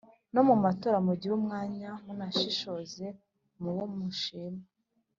No mu matora mugire umwanya Munashishoze mubo mushima